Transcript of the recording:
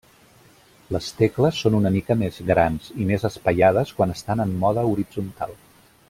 Les tecles són una mica més grans i més espaiades quan estan en mode horitzontal.